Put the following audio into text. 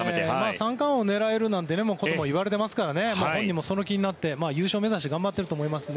三冠王を狙えるとも言われていますから本人もその気になって優勝目指して頑張ってると思います。